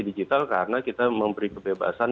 digital karena kita memberi kebebasan